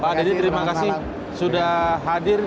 pak deddy terima kasih sudah hadir